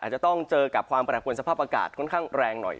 อาจจะต้องเจอกับความแปรปวนสภาพอากาศค่อนข้างแรงหน่อย